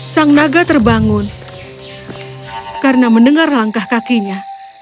sang naga terbangun karena mendengar langkah kakinya